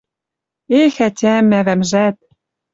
Эх!.. Ӓтям... Ӓвӓмжӓт...